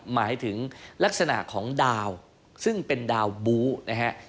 หมายถึงลักษณะของดาวซึ่งเป็นดาวบู๊นะฮะ